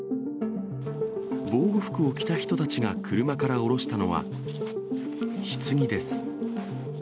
防護服を着た人たちが車から降ろしたのはひつぎです。